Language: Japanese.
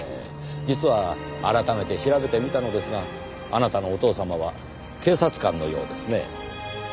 実は改めて調べてみたのですがあなたのお父様は警察官のようですね。